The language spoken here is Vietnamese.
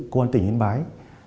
công an tỉnh hiến bái